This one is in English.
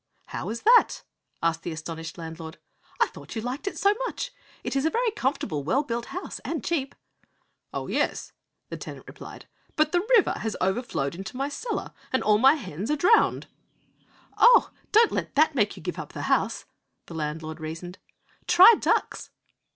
'How is that?' asked the astonished landlord. 'I thought you liked it so much. It is a very comfortable, well built house, and cheap.' 'Oh, yes,' the tenant replied, 'but the river has overflowed into my cellar, and all my hens are drowned.' 'Oh, don't let that make you give up the house,' the landlord reasoned; 'try ducks!'